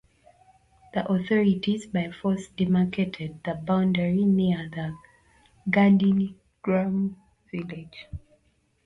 The authorities by force demarcated the boundary near Gandhigram village.